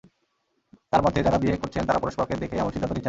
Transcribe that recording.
তাঁর মতে, যাঁরা বিয়ে করছেন, তাঁরা পরস্পরকে দেখে এমন সিদ্ধান্ত নিচ্ছেন না।